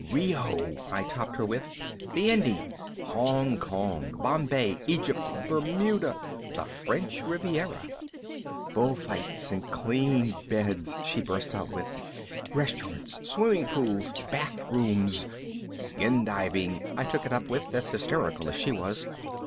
"Rio!" I topped her with. "The Indies. Hong Kong. Bombay. Egypt. Bermuda. The French Riviera!" "Bullfights and clean beds," she burst out with. "Restaurants. Swimming pools. Bathrooms!" "Skindiving," I took it up with, as hysterical as she was.